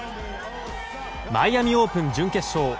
マイアミ・オープン準決勝。